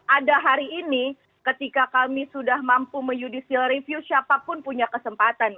ada hari ini ketika kami sudah mampu menyudisial review siapapun punya kesempatan